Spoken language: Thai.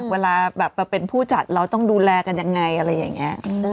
เวลาแบบมาเป็นผู้จัดเราต้องดูแลกันยังไงอะไรอย่างนี้